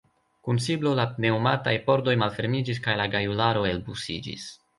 Kun siblo la pneŭmataj pordoj malfermiĝis kaj la gajularo elbusiĝis.